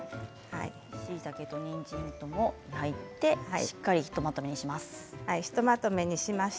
しいたけとにんじんが入って、しっかりひとまとめにします。